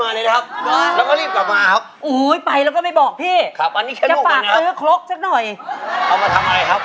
อันนี้ผมเพิ่งไปหนงมนตร์มาเลยครับ